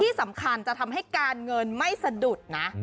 ที่สำคัญจะทำให้การเงินไม่สะดุดนะ